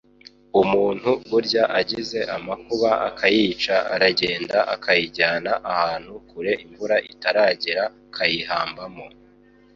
Umuntu burya agize amakuba akayica, aragenda akayijyana ahantu kure imvura itaragera, kayihambamo